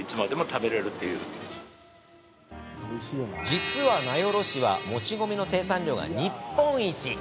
実は、名寄市は餅米の生産量が日本一。